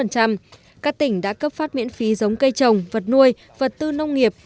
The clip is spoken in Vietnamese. các tỉnh đã cấp phát miễn phí giống cây trồng vật nuôi vật tư nông nghiệp